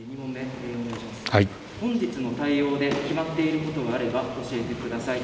本日の対応で決まっていることがあれば教えてください。